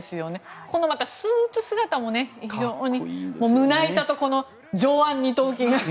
またこのスーツ姿も非常に、胸板と上腕二頭筋が。